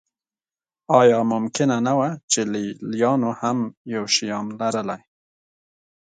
ایا ممکنه نه وه چې لېلیانو هم یو شیام لرلی.